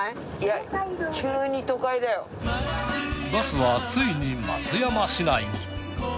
バスはついに松山市内に。